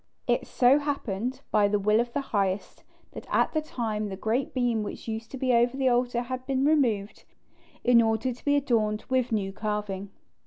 It so happened, by the will of the Highest, that at that time the great beam which used to be over the altar had been removed, in order to be adorned with new carving.